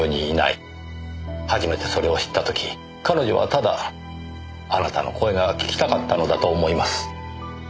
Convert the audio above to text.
初めてそれを知った時彼女はただあなたの声が聞きたかったのだと思います。